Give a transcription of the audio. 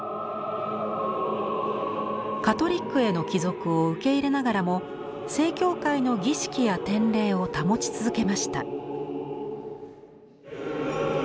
カトリックへの帰属を受け入れながらも正教会の儀式や典礼を保ち続けました。